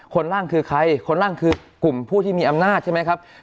ร่างคือใครคนล่างคือกลุ่มผู้ที่มีอำนาจใช่ไหมครับ